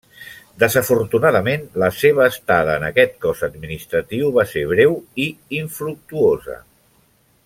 Desafortunadament, la seva estada en aquest cos administratiu va ser breu i infructuosa.